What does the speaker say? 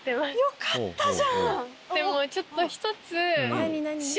よかったじゃん！